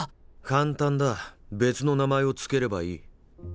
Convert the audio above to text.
簡単だ別の名前を付ければいい。